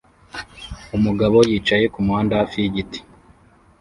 Umugabo yicaye kumuhanda hafi yigiti